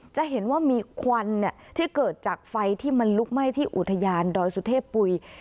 จะเห็นว่ามีควันที่เกิดจากไฟที่มันลุกไหม้ที่อุทยานดอยสุเทพปุ๋ย